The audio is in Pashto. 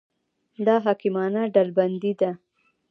دا حکیمانه ډلبندي ده.